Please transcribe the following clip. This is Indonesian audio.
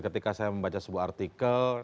ketika saya membaca sebuah artikel